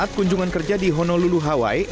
saat kunjungan kerja di honolulu hawaii